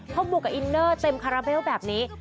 พอบวกกับอินเนอร์เต็มคาราเบลแบบนี้